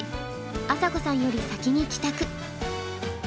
朝紗子さんより先に帰宅。